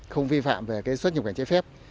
không vi phạm về cái xuất nhập cảnh trái phép